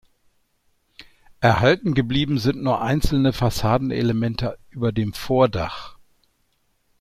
Erhalten geblieben sind nur einzelne Fassadenelemente über dem Vordach.